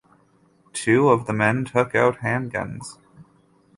Two of the men took out handguns.